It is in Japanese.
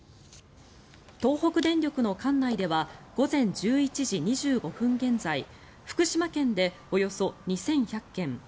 東北電力の管内では午前１１時２５分現在福島県でおよそ２１００軒